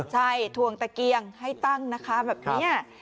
ใช่ทวงตะเกียงให้ตั้งนะคะแบบนี้